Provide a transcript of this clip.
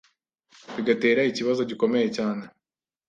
Bigatera ikibazo gikomeye cyane